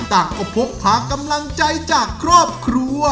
แต่ก็พกผ่ากำลังใจจากครอบครู